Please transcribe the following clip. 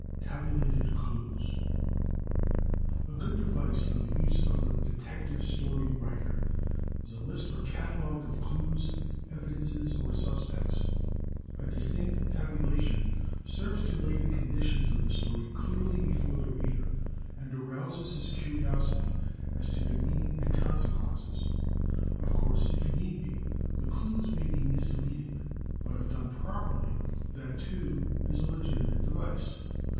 Tabulated Clues A good device for the use of the Detective Story Writer is a listorcatalog of clues, evidences, or suspects. A distinct tabu lation serves to lay the conditions of the story clearly before the reader, and arouses his curiosity as to their meaning and consequences. Of ^course, if need be, the clues may be mis leading; but if done properly, that, too, is a legitimate device.